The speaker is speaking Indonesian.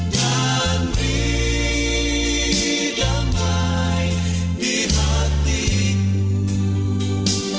dan hidup baik di hatiku